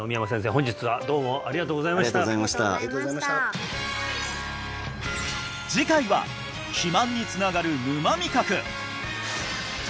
本日はどうもありがとうございましたありがとうございました次回は肥満につながる沼味覚